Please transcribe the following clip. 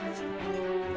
jangan ses boat